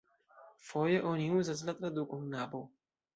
Foje oni uzas la tradukon nabo.